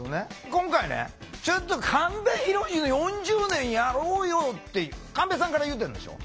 今回ね「ちょっと神戸浩の４０年やろうよ」って神戸さんから言うてるんでしょ？